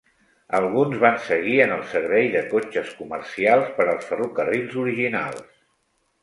Alguns van seguir en el servei de cotxes comercials per als ferrocarrils originals.